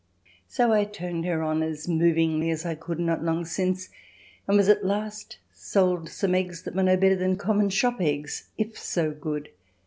So I turned her on as movingly as I could not long since, and was at last sold some eggs that were no better than common shop eggs, if so good.